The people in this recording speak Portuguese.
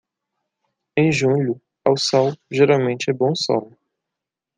Em julho, ao sol, geralmente é bom sol.